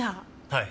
はい。